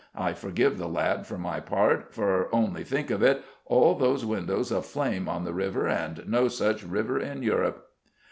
I forgive the lad, for my part: for only think of it all those windows aflame on the river, and no such river in Europe!